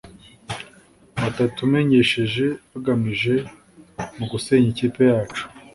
batatumenyesheje bagamije mu gusenya ikipe yacu.